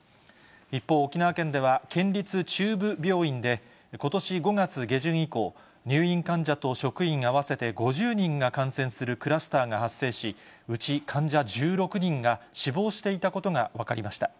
一方、沖縄県では県立中部病院で、ことし５月下旬以降、入院患者と職員合わせて５０人が感染するクラスターが発生し、うち患者１６人が死亡していたことが分かりました。